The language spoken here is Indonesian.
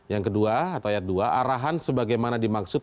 yang kedua atau ayat dua arahan sebagaimana dimaksud